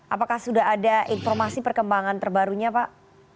apakah sudah ada informasi perkembangan terbarunya pak